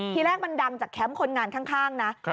ทีแรกมันดังจากแคมป์คนงานข้างนะ